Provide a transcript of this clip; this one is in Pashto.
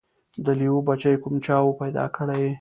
د لېوه بچی کوم چا وو پیدا کړی